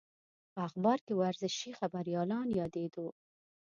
په اخبار کې ورزشي خبریالان یادېدو.